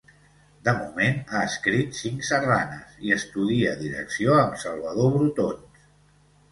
De moment ha escrit cinc sardanes i estudia direcció amb Salvador Brotons.